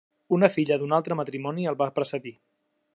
Una filla d'un altre matrimoni el va precedir.